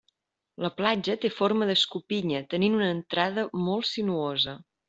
La platja té forma d'escopinya tenint una entrada molt sinuosa.